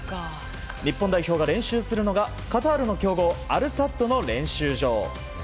日本代表が練習するのがカタールの強豪アル・サッドの練習場。